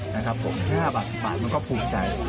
๕บาท๑๐บาทมันก็ภูมิใจ